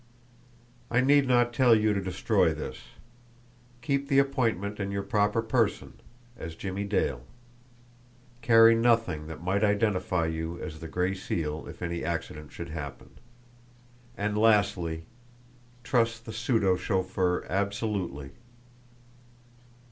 "I need not tell you to destroy this. Keep the appointment in your proper person as Jimmie Dale. Carry nothing that might identify you as the Gray Seal if any accident should happen. And, lastly, trust the pseudo chauffeur absolutely."